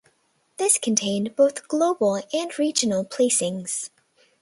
This contained both global and regional placings.